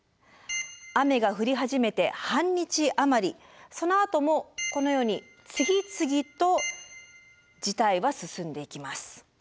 雨が降り始めて半日余りそのあともこのように次々と事態は進んでいきます。